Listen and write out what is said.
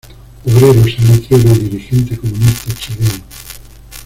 Obrero salitrero y dirigente comunista chileno.